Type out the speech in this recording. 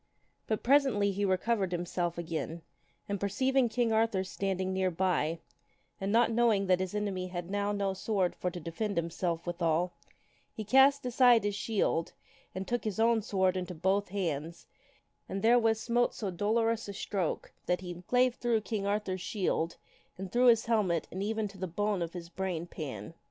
But presently he recovered himself again, and perceiving King Arthur standing near by, and not knowing that his enemy had now no swor for to defend himself withal, he cast aside his shield and took his own sword into both hands, and therewith smote so dolorous a stroke that he 58 THE WINNING OF A SWORD clave through Kuig Arthur's shield and through his helmet and even to the bone of his brain pan.